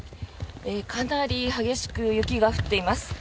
かなり激しく雪が降っています。